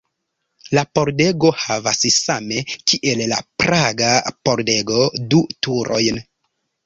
La pordego havas, same kiel la Praga pordego, du turojn.